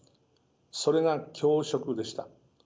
それが共食でした。